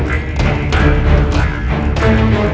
kandunganmu tak akan nyambut